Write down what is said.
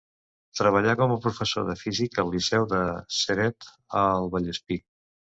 Treballà com a professor de física al liceu de Ceret, al Vallespir.